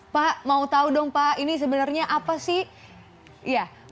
pak mau tahu dong pak ini sebenarnya apa sih